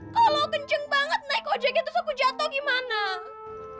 tapi kalau kenceng banget naik ojeknya terus aku jatoh gimana